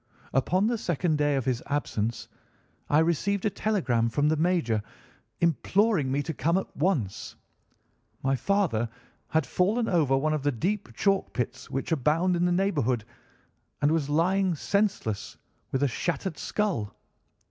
Upon the second day of his absence I received a telegram from the major, imploring me to come at once. My father had fallen over one of the deep chalk pits which abound in the neighbourhood, and was lying senseless, with a shattered skull.